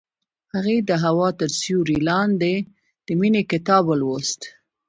هغې د هوا تر سیوري لاندې د مینې کتاب ولوست.